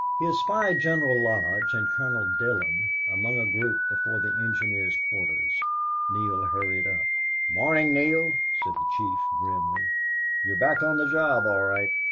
He espied General Lodge and Colonel Dillon among a group before the engineers' quarters. Neale hurried up. "Good morning, Neale," said the chief, grimly. "You're back on the job, all right."